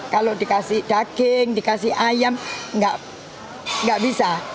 kalau dikasih daging dikasih ayam nggak bisa